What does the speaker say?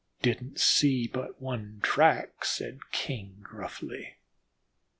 "Didn't see but one track," said King gruffly.